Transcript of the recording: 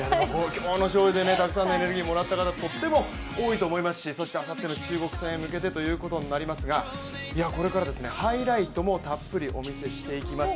今日の勝利でたくさんのエネルギーをもらった方も、とっても多いと思いますしそしてあさっての中国戦へ向けてということになりますが、これからハイライトもたっぷりお見せしていきます。